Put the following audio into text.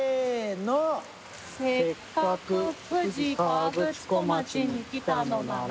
「せっかく富士河口湖町に来たのなら」